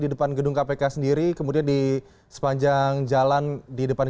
menyek cowok cowok yang ber lima puluh delapan tahun ibadah milkanya pening positif